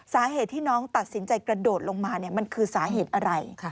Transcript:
สาเหตุที่น้องตัดสินใจกระโดดลงมามันคือสาเหตุอะไร